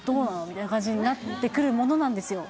みたいな感じになってくるものなんですよ